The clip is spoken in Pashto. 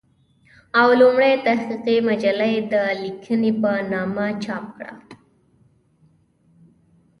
او لومړۍ تحقيقي مجله يې د "ليکنې" په نامه چاپ کړه